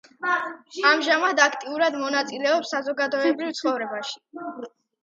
ამჟამად აქტიურად მონაწილეობს საზოგადოებრივ ცხოვრებაში.